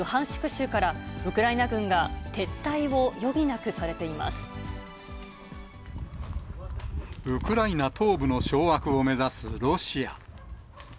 州からウクライナ軍が撤退をウクライナ東部の掌握を目指すロシア。